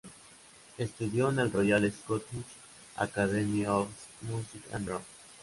Estudió en el Royal Scottish Academy of Music and Drama.